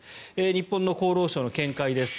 日本の厚労省の見解です。